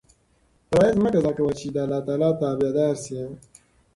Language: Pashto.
فرایض مه قضا کوه چې د اللهﷻ تابع دار شې.